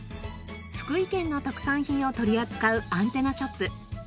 福井県の特産品を取り扱うアンテナショップ。